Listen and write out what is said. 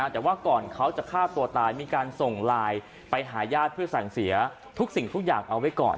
แต่ว่าก่อนเขาจะฆ่าตัวตายมีการส่งไลน์ไปหาญาติเพื่อสั่งเสียทุกสิ่งทุกอย่างเอาไว้ก่อน